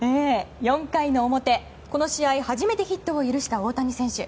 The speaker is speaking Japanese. ４回の表、この試合初めてヒットを許した大谷選手。